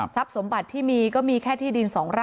ทรัพย์สมบัติที่มีก็มีแค่ที่ดินสองไร่